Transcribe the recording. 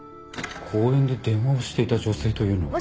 公園で電話をしていた女性というのは。